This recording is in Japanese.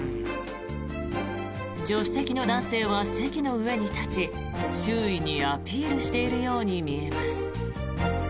助手席の男性は席の上に立ち周囲にアピールしているように見えます。